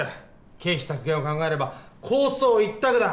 経費削減を考えれば鋼双一択だ。